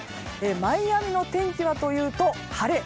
マイアミの天気はというと晴れ。